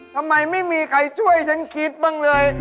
ทำไมไม่มีใครช่วยฉันคิดบ้างเลย